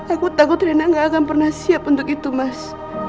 aku takut rina gak akan pernah siap untuk itu mas